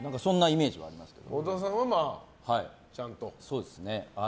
和田さんは、ちゃんと？